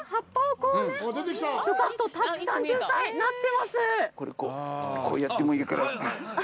こうやってもいいから。